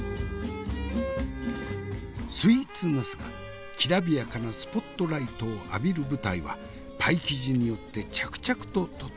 スイーツナスがきらびやかなスポットライトを浴びる舞台はパイ生地によって着々と整えられる。